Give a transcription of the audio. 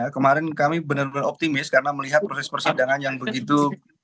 kemarin kami benar benar optimis karena melihat proses persidangan yang begitu